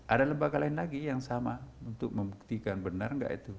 ada lembaga lain lagi yang sama untuk membuktikan benar nggak itu